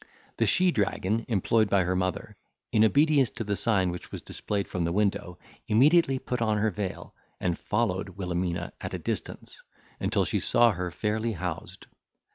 The she dragon employed by her mother, in obedience to the sign which was displayed from the window immediately put on her veil, and followed Wilhelmina at a distance, until she saw her fairly housed.